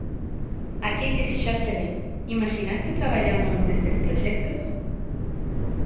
Aquí hai que fixarse ben: imaxínaste traballando nun destes proxectos?